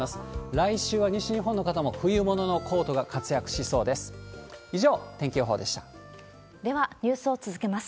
来週は西日本の方も冬物のコートが活躍しそうです。